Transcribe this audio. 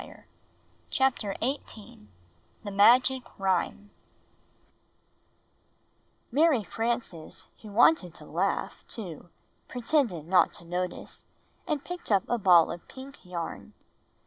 Am THE MiflQIC ' RHYTIE ARY FRANCES, who wanted to laugh, too, pretended not to notice, and picked up a ball of pink yarn.